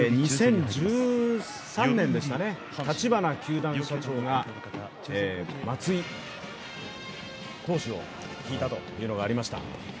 ２０１３年でしたね、立花球団社長が松井投手を引いたというのがありました。